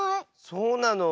そうなの？